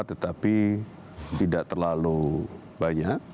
tetapi tidak terlalu banyak